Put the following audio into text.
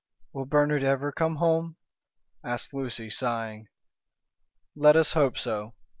"Will Bernard ever come home?" asked Lucy, sighing. "Let us hope so.